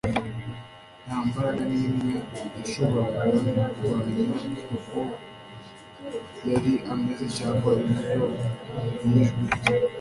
nta mbaraga n'imwe yashoboraga kurwanya uko yari ameze cyangwa imvugo y'ijwi rye.